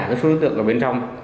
các đối tượng ở bên trong